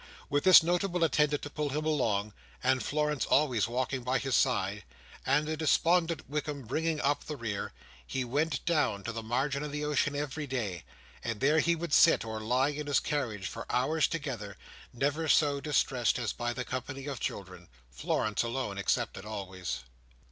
With this notable attendant to pull him along, and Florence always walking by his side, and the despondent Wickam bringing up the rear, he went down to the margin of the ocean every day; and there he would sit or lie in his carriage for hours together: never so distressed as by the company of children—Florence alone excepted, always.